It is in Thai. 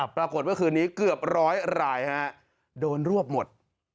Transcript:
เมื่อคืนนี้เกือบร้อยรายโดนรวบหมด